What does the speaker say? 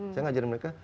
saya mengajari mereka